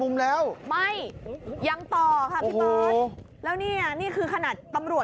ลงล่างรถไฟมาครับลงล่างรถไฟมาครับลงล่างรถไฟมาครับ